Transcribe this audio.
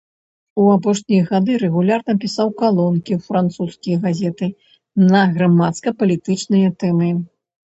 У апошнія гады рэгулярна пісаў калонкі ў французскія газеты на грамадска-палітычныя тэмы.